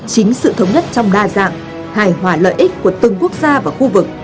chính sự thống nhất trong đa dạng hài hòa lợi ích của từng quốc gia và khu vực